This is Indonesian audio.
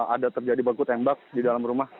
ada terjadi baku tembak di dalam rumah